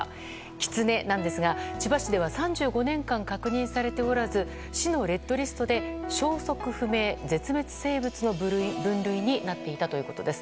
キツネなんですが、千葉市では３５年間確認されておらず市のレッドリストで消息不明・絶滅生物の分類になっていたということです。